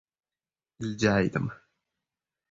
Iljaydim.